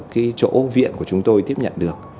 cái chỗ viện của chúng tôi tiếp nhận được